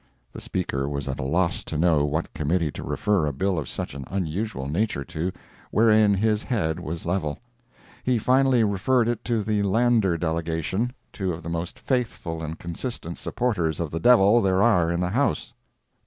[The Speaker was at a loss to know what committee to refer a bill of such an unusual nature to—wherein his head was level. He finally referred it to the Lander delegation, two of the most faithful and consistent supporters of the Devil there are in the House.